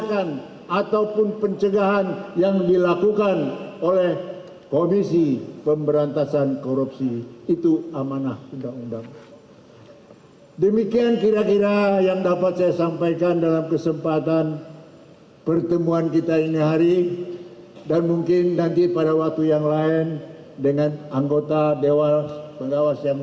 kepada yang terhormat bapak firly bahuri disilakan